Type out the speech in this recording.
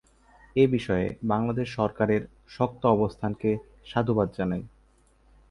এ বিষয়ে বাংলাদেশ সরকারের শক্ত অবস্থানকে সাধুবাদ জানাই।